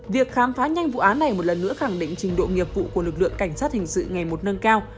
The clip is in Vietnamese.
việc khám phá nhanh vụ án này một lần nữa khẳng định trình độ nghiệp vụ của lực lượng cảnh sát hình sự ngày một nâng cao